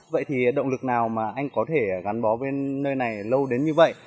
vậy thì động lực nào mà anh có thể gắn bó với nơi này lâu đến như vậy